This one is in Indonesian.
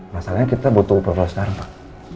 masalahnya kita butuh pervelasgaran pak